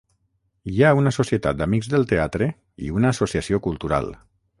Hi ha una societat d'amics del teatre i una associació cultural.